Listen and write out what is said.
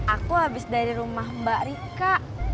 aku habis dari rumah mbak rika